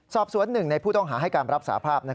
สอบสวนหนึ่งในผู้ต้องหาให้การรับสาภาพ